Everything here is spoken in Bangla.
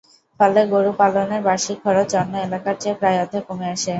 ফলে গরু পালনের বার্ষিক খরচ অন্য এলাকার চেয়ে প্রায় অর্ধেক কমে আসে।